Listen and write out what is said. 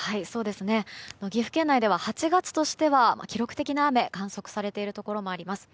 岐阜県内では８月としては記録的な雨が観測されているところもあります。